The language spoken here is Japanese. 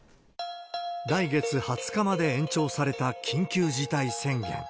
来月２０日まで延長された緊急事態宣言。